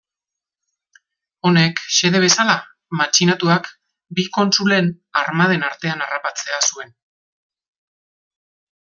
Honek, xede bezala, matxinatuak, bi kontsulen armaden artean harrapatzea zuen.